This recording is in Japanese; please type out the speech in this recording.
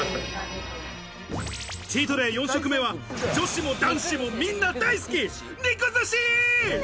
チートデイ４食目は、女子も男子もみんな大好き、肉ずし。